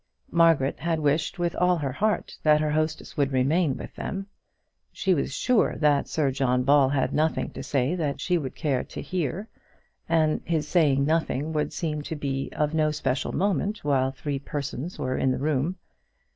Margaret had wished with all her heart that her hostess would remain with them. She was sure that Sir John Ball had nothing to say that she would care to hear, and his saying nothing would seem to be of no special moment while three persons were in the room.